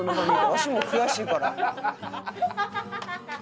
わしも悔しいから。